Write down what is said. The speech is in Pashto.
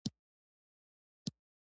انصاف رانه غواړي چې ښېګڼې وینو.